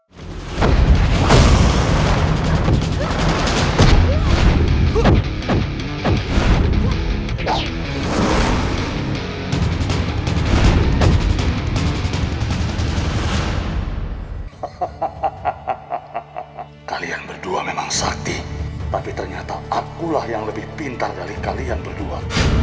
hahaha kalian berdua memang sakti tapi ternyata akulah yang lebih pintar dari kalian berdua